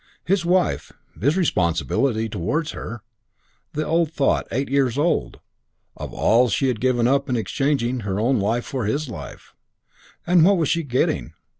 His wife his responsibility towards her the old thought, eight years old, of all she had given up in exchanging her own life for his life and what was she getting?